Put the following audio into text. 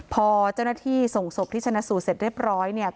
พอเจ้าหน้าที่ส่งศพที่ชนะสูตรเสร็จเรียบร้อยเนี่ย